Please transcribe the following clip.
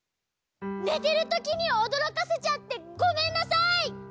ねてるときにおどろかせちゃってごめんなさい！